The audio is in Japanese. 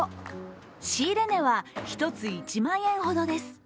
仕入れ値は１つ１万円ほどです。